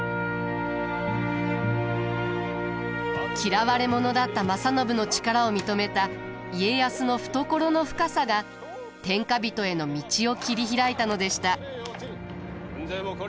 嫌われ者だった正信の力を認めた家康の懐の深さが天下人への道を切り開いたのでした。